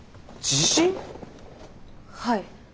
はい。